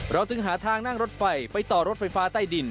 จึงหาทางนั่งรถไฟไปต่อรถไฟฟ้าใต้ดิน